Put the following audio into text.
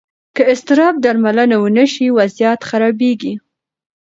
که اضطراب درملنه ونه شي، وضعیت خرابېږي.